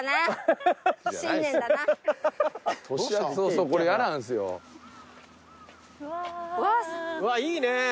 うわいいね。